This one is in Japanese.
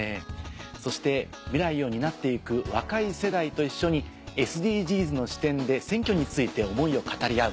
そして未来を担って行く若い世代と一緒にＳＤＧｓの視点で選挙について思いを語り合う。